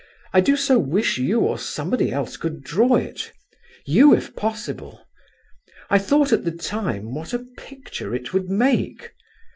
I do so wish you or somebody else could draw it, you, if possible. I thought at the time what a picture it would make.